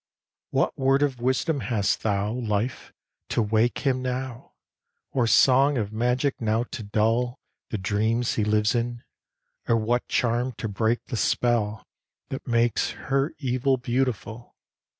What word of wisdom hast thou, Life, to wake Him now! or song of magic now to dull The dreams he lives in! or what charm to break The spell that makes her evil beautiful!